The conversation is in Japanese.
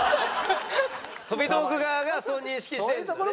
飛び道具側がそう認識してるんだよね。